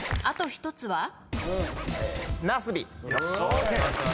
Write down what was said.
あと１つは？